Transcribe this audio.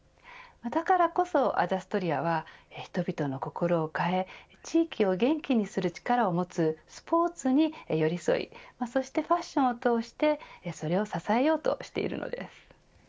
だからこそアダストリアは人々の心を変え地域を元気にする力を持つスポーツに寄り添いそしてファッションを通してそれを支えようとしているのです。